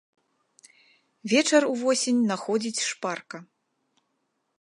Вечар увосень находзіць шпарка.